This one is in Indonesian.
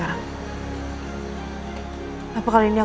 ada apa ya pak